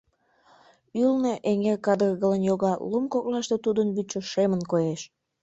Ӱлнӧ эҥер кадыргылын йога, лум коклаште тудын вӱдшӧ шемын коеш.